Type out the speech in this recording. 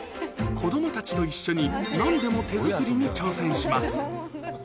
子どもたちと一緒に、なんでも手作りに挑戦します。